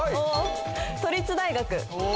都立大学。